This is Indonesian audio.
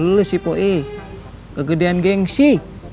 lu si boy kegedean gengsi